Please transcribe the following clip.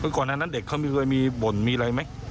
คือก่อนนั้นเด็กเขาเคยมีบ่นมีอะไรไหม